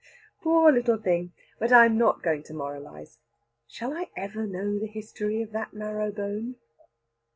Ah, poor little thing! But I am not going to moralise. Shall I ever know the history of that marrow bone?